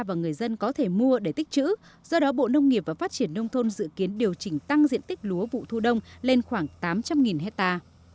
bộ nông nghiệp và phát triển nông thôn dự kiến điều chỉnh tích lúa vụ thu đông lên khoảng tám trăm linh ha